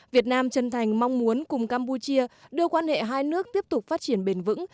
việt nam chân thành mong muốn cùng campuchia đưa quan hệ hai nước tiếp tục phát triển bền vững